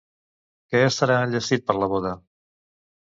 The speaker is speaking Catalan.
Què estarà enllestit per la boda?